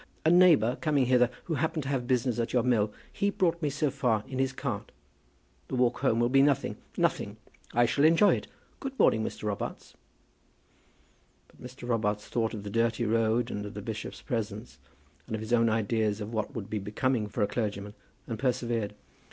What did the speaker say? A neighbour coming hither, who happened to have business at your mill, he brought me so far in his cart. The walk home will be nothing, nothing. I shall enjoy it. Good morning, Mr. Robarts." But Mr. Robarts thought of the dirty road, and of the bishop's presence, and of his own ideas of what would be becoming for a clergyman, and persevered.